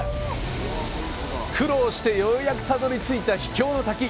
苦労してようやくたどり着いた秘境の滝。